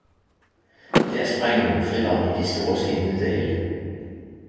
der springer man frit om i de store skinnende dale!